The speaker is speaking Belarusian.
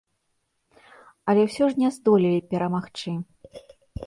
Але ўсё ж не здолелі перамагчы.